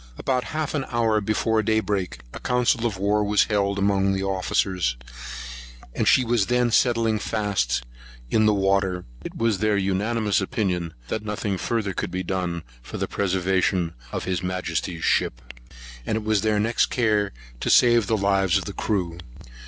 About half an hour before day break, a council of war was held amongst the officers; and as she was then settling fast down in the water, it was their unanimous opinion, that nothing further could be done for the preservation of his Majesty's ship; and it was their next care to save the lives of the crew.